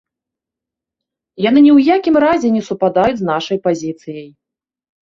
Яны ні ў якім разе не супадаюць з нашай пазіцыяй.